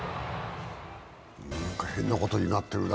なんか変なことになってるな。